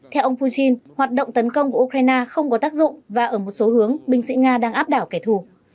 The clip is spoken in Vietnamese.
theo ông putin hoạt động tấn công của ukraine không có tác dụng và ở một số hướng binh sĩ nga đang áp đảo kẻ thù